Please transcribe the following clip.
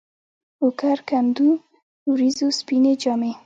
اوکر کنډو ، وریځو سپيني جامې